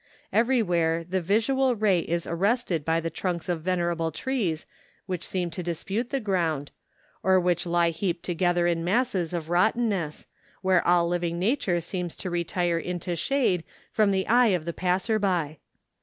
Every¬ where the visual ray is arrested by the trunks of venerable trees which seem to dispute the ground, 272 MOUNTAIN AD YEN TUBES. or whicli lie heaped together in masses of rotten¬ ness, where all living nature seems to retire into shade from the eye of the passer by.